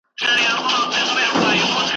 پر هر قدم به سجدې کومه .